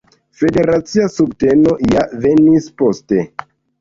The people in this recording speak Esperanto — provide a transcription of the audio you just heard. Federacia subteno ja venis poste.